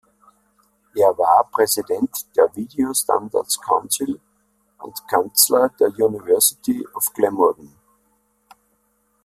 Er war Präsident der Video Standards Council und Kanzler der University of Glamorgan.